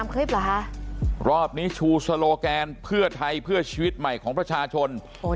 คลิปเหรอคะรอบนี้ชูสโลแกนเพื่อไทยเพื่อชีวิตใหม่ของประชาชน